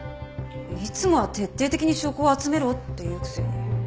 いつもは徹底的に証拠を集めろって言うくせに。